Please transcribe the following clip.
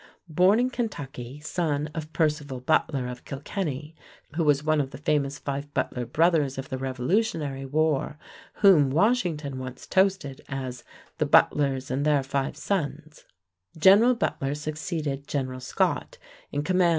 Born in Kentucky, son of Percival Butler of Kilkenny, who was one of the famous five Butler brothers of the Revolutionary War whom Washington once toasted as "The Butlers and their five sons," General Butler succeeded General Scott in command of the entire American army in Mexico in February, 1848.